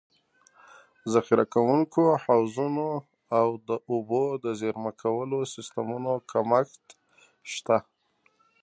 ذخیره کوونکو حوضونو او د اوبو د زېرمه کولو سیستمونو کمښت شته.